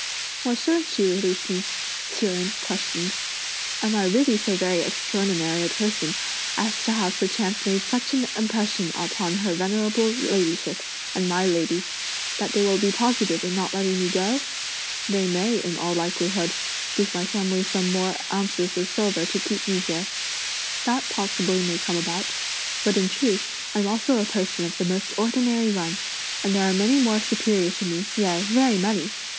"Why shouldn't she release me?" Hsi Jen questioned. "Am I really so very extraordinary a person as to have perchance made such an impression upon her venerable ladyship and my lady that they will be positive in not letting me go? They may, in all likelihood, give my family some more ounces of silver to keep me here; that possibly may come about. But, in truth, I'm also a person of the most ordinary run, and there are many more superior to me, yea very many!